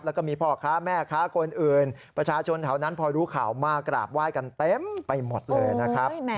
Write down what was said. แล้วก็มีพ่อค้าแม่ค้าคนอื่นประชาชนแถวนั้นพอรู้ข่าวมากราบไหว้กันเต็มไปหมดเลยนะครับ